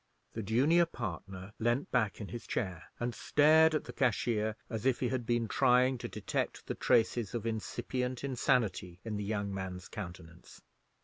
The junior partner leaned back in his chair, and stared at the cashier as if he had been trying to detect the traces of incipient insanity in the young man's countenance.